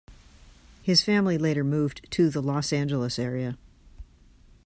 His family later moved to the Los Angeles area.